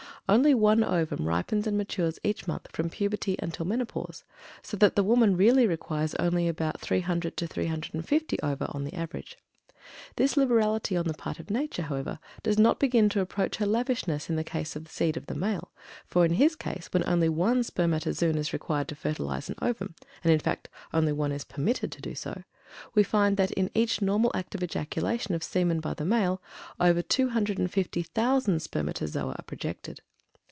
Only one ovum ripens and matures each month from puberty until menopause, so that the woman really requires only about 300 to 350 ova on the average. This liberality on the part of Nature, however, does not begin to approach her lavishness in the case of seed of the male, for in his case while only one spermatozoon is required to fertilize an ovum (and in fact only one is permitted to do so), we find that in each normal act of ejaculation of semen by the male over 250,000 spermatozoa are projected.